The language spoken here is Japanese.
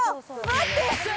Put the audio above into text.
待って！